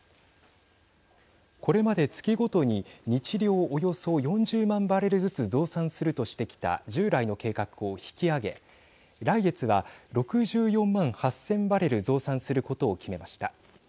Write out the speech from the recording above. これまで月ごとに日量およそ４０万バレルずつ増産するとしてきた従来の計画を引き上げ来月は６４万８０００バレル増産することを決めました。